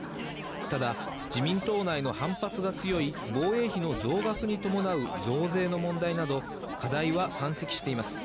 ただ自民党内の反発が強い、防衛費の増額に伴う増税の問題など課題は山積しています。